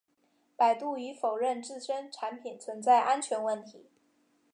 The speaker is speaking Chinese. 百度已否认自身产品存在安全问题。